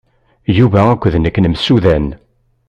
Yuba akked nekk nemsudan.